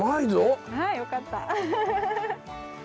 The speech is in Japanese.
あよかった。